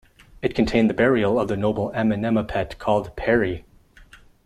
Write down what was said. It contained the burial of the noble Amenemopet called Pairy.